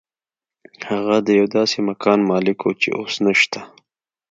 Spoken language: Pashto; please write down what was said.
هغه د یو داسې مکان مالک و چې اوس نشته